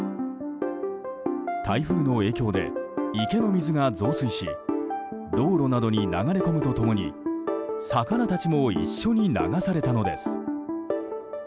台風の影響で池の水が増水し道路などに流れ込むと共に魚たちも一緒に流されたのです。